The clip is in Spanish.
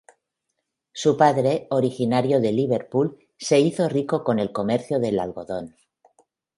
Su padre, originario de Liverpool se hizo rico con el comercio del algodón.